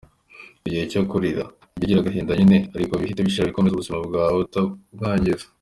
Igihe cyo kurira? Jya ugira agahinda nyine ariko bihite bishira wikomereze ubuzima bwawe utabwangiza.